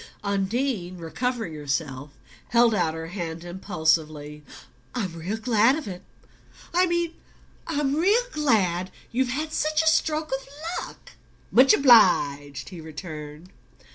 Undine, recovering herself, held out her hand impulsively. "I'm real glad of it I mean I'm real glad you've had such a stroke of luck!" "Much obliged," he returned.